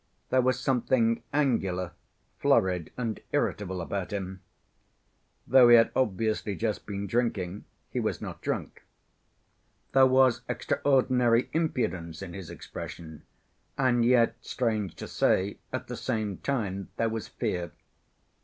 There was something angular, flurried and irritable about him. Though he had obviously just been drinking, he was not drunk. There was extraordinary impudence in his expression, and yet, strange to say, at the same time there was fear.